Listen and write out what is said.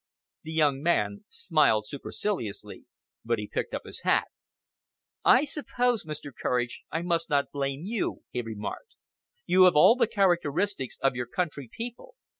The young man smiled superciliously, but he picked up his hat. "I suppose, Mr. Courage, I must not blame you," he remarked, "You have all the characteristics of your country people.